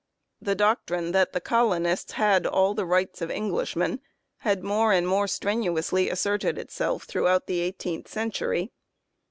Ihe doctrine that the colonists had all the rights of Englishmen had more and more strenuously asserted itself throughout the eighteenth century.